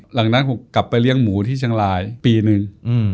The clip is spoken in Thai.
หลังจากนั้นผมกลับไปเลี้ยงหมูที่เชียงรายปีนึง